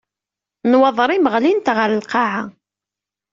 Nnwaḍer-im ɣlint ɣer lqaɛa.